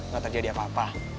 gak terjadi apa apa